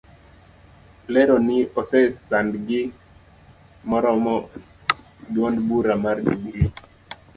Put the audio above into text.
Olero ni ose sandgi moromo eduond bura mar jubilee